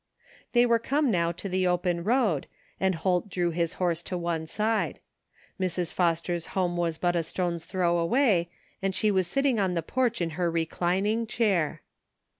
They were come now to the open road, and Holt drew his horse to one side. Mrs. Foster's home was but a stone's throw away and she was sitting on the porch in her reclining chair.